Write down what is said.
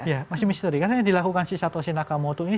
ya masih misteri karena yang dilakukan si satosi nakamoto ini